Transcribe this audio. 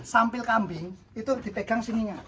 sambil kambing itu dipegang sininya